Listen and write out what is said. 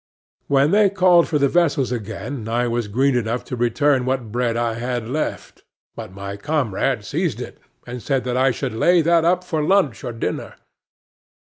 When they called for the vessels again, I was green enough to return what bread I had left; but my comrade seized it, and said that I should lay that up for lunch or dinner.